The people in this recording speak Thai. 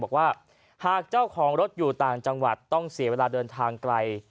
บอกว่าหากเจ้าของรถอยู่ต่างจังหวัดต้องเสียเวลาเดินทางไกล